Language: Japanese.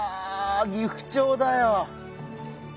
ギフチョウだよ。